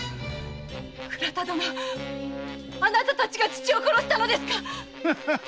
倉田殿あなたたちが父を殺したのですか！